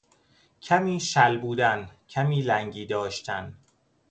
کمی شل بودن، کمی لنگی داشتن